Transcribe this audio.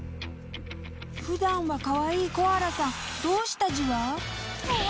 普段はかわいいコアラさんどうしたじわ？